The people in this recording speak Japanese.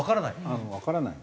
わからない？